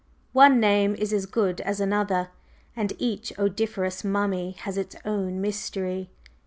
One name is as good as another, and each odoriferous mummy has its own mystery."